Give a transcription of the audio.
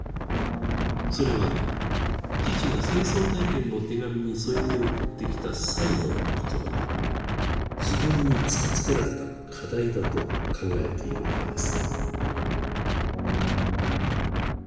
それは父が戦争体験の手紙に添えて送ってきた最後の言葉が自分に突きつけられた課題だと考えているからです。